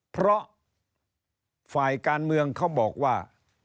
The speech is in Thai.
เพราะฝ่ายการเมืองเขาบอกว่า